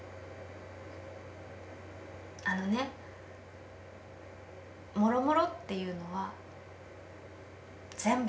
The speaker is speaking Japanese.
・あのねもろもろっていうのは全部。